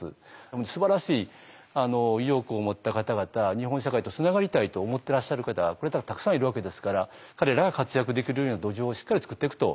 すばらしい意欲を持った方々日本社会とつながりたいと思ってらっしゃる方がこれだけたくさんいるわけですから彼らが活躍できるような土壌をしっかり作っていくと。